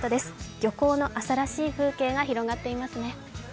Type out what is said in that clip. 漁港の朝らしい風景が広がっていますね。